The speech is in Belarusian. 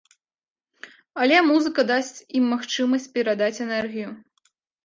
Але музыка дасць ім магчымасць перадаць энергію.